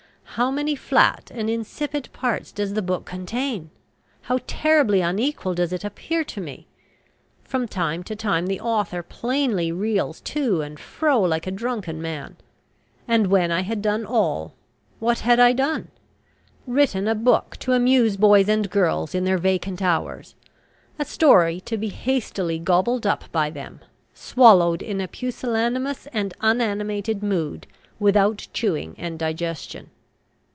How many flat and insipid parts does the book contain! How terribly unequal does it appear to me! From time to time the author plainly reels to and fro like a drunken man. And, when I had done all, what had I done? Written a book to amuse boys and girls in their vacant hours, a story to be hastily gobbled up by them, swallowed in a pusillanimous and unanimated mood, without chewing and digestion.